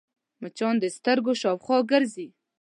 مچان د سترګو شاوخوا ګرځي